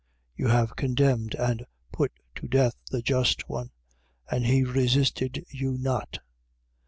5:6. You have condemned and put to death the Just One: and he resisted you not.